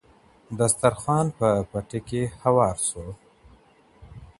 دسترخوان په پټي کې هوار شو.